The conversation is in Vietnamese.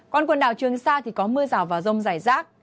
còn quần đảo trường sa thì có mưa rào và rông rải rác